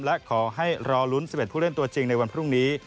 และขอให้รอลุ้น๑๑ผู้เล่นตัวจริงในวันพรุ่งนี้